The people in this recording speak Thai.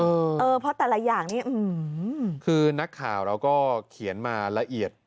เออเพราะแต่ละอย่างนี้คือนักข่าวเราก็เขียนมาละเอียด